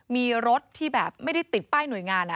มีรถที่แบบไม่ได้ติดป้ายหน่วยงาน